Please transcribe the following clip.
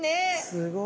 すごい。